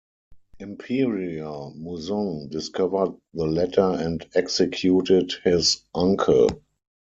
Emperor Muzong discovered the letter and executed his uncle.